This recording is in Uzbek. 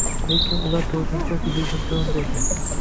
Lekin ular to‘rtinchi va beshinchi o‘rinda ekan.